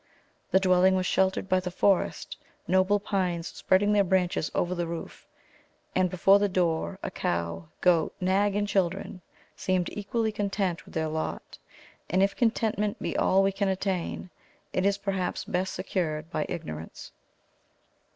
The dwelling was sheltered by the forest, noble pines spreading their branches over the roof; and before the door a cow, goat, nag, and children, seemed equally content with their lot; and if contentment be all we can attain, it is, perhaps, best secured by ignorance.